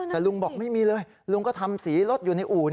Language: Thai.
แต่ลุงบอกไม่มีเลยลุงก็ทำสีรถอยู่ในอู่